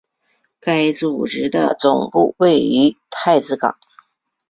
该组织的总部位于太子港。